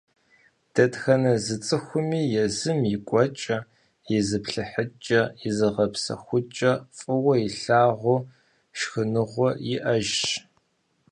Дэтхэнэ зы цӏыхуми езым и кӏуэкӏэ, и зыплъыхьыкӏэ, и зыгъэпсэхукӏэ, фӏыуэ илъагъу шхыныгъуэ иӏэжщ.